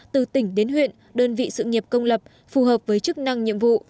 từ tỉnh đến huyện đơn vị sự nghiệp công lập phù hợp với chức năng nhiệm vụ